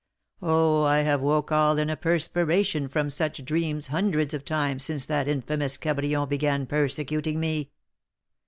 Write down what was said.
Oh, I have woke all in a perspiration from such dreams hundreds of times since that infamous Cabrion began persecuting me."